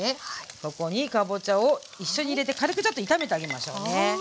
ここにかぼちゃを一緒に入れて軽くちょっと炒めてあげましょうね。